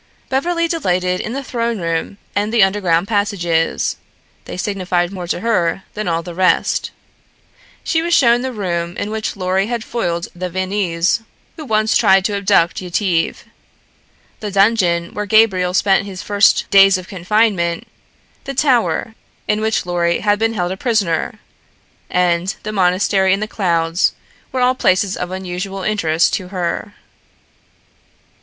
Beverly delighted in the throne room and the underground passages; they signified more to her than all the rest. She was shown the room in which Lorry had foiled the Viennese who once tried to abduct Yetive. The dungeon where Gabriel spent his first days of confinement, the Tower in which Lorry had been held a prisoner, and the monastery in the clouds were all places of unusual interest to her.